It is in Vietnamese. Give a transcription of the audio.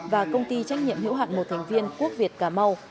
và công ty trách nhiệm hữu hạn một thành viên quốc việt cà mau